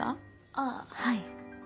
あぁはい。